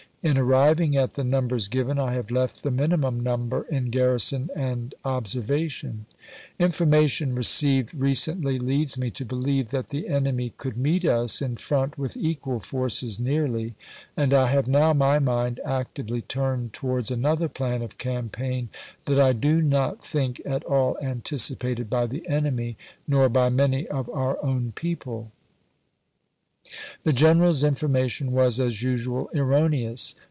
In arriving at the numbers given, I have left the minimum number in garrison and observation. Information received recently leads me to beheve that the enemy could meet us in front with equal forces nearly, and I have now my mind actively turned to wards another plan of campaign that I do not think at all anticipated by the enemy, nor by many of our own people. McClellan to Lincoln, Dec. 10, 1861. Autograph MS. The general's information was, as usual, er roneous.